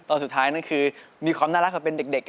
ตอนสุดท้ายนั่นคือมีความน่ารักความเป็นเด็ก